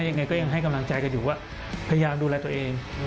ยังไงก็ยังให้กำลังใจกันอยู่ว่าพยายามดูแลตัวเอง